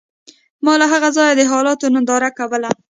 ما له هغه ځایه د حالاتو ننداره کوله